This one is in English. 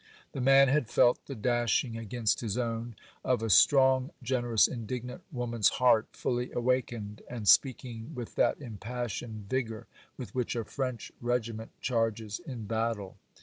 The man had felt the dashing against his own of a strong, generous, indignant woman's heart fully awakened, and speaking with that impassioned vigour with which a French regiment charges in battle.